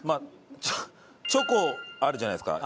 チョコあるじゃないですか。